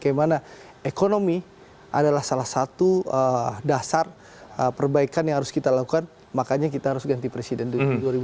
karena ekonomi adalah salah satu dasar perbaikan yang harus kita lakukan makanya kita harus ganti presiden di dua ribu sembilan belas